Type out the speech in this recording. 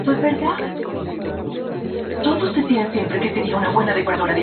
Para algunos, es el primer impresor del Renacimiento.